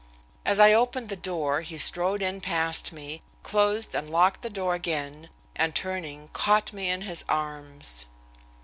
As I opened the door he strode in past me, closed and locked the door again, and, turning, caught me in his arms.